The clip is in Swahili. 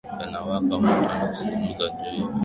yanawaka mtu anazungumza juu yako Waturuki kama sisi